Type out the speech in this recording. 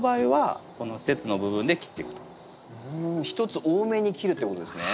１つ多めに切るってことですね。